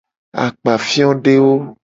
Akpafiodewo.